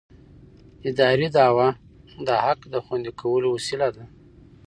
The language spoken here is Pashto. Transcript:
اداري دعوه د حق د خوندي کولو وسیله ده.